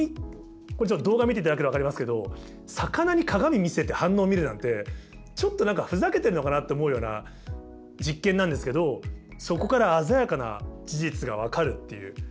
これちょっと動画見ていただけたら分かりますけど魚に鏡見せて反応見るなんてちょっと何かふざけてんのかなって思うような実験なんですけどそこから鮮やかな事実が分かるっていう。